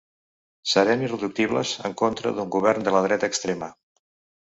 Serem irreductibles en contra d’un govern de la dreta extrema.